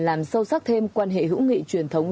làm sâu sắc thêm quan hệ hữu nghị truyền thống